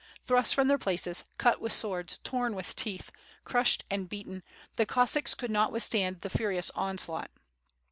Thrust from their places, cut with swords, torn with teeth, crushed and beaten, the Cossacks could not withstand the furious onslaught.